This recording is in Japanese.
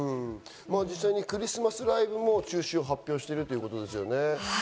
実際クリスマスライブも中止を発表しているということですね。